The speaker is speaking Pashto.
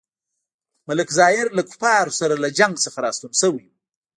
ملک ظاهر له کفارو سره له جنګ څخه راستون شوی وو.